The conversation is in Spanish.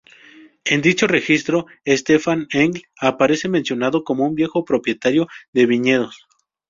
En dicho registro, Stefan Engl aparece mencionado como un viejo propietario de viñedos.